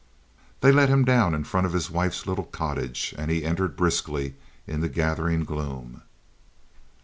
They let him down in front of his wife's little cottage, and he entered briskly in the gathering gloom.